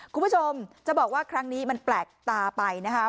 คุณผู้ชมจะบอกว่าครั้งนี้มันแปลกตาไปนะคะ